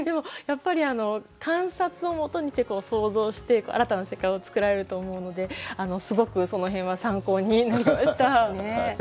やっぱり観察をもとにして想像して新たな世界を作られると思うのですごくその辺は参考になりました。